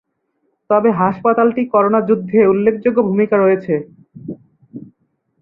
তবে হাসপাতালটি করোনা যুদ্ধে উল্লেখযোগ্য ভূমিকা রয়েছে।